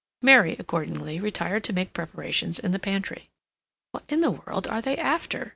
Mary, accordingly, retired to make preparations in the pantry. "What in the world are they after?"